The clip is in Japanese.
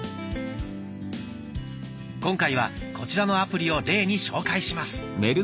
今回はこちらのアプリを例に紹介します。